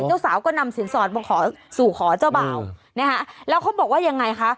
เจ้าสาวก็นำสินสอดมาขอสู่ขอเจ้าบ่าวนะคะแล้วเขาบอกว่ายังไงคะ